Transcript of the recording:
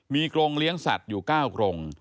มีกรงเลี้ยงสัตว์อยู่๙กรง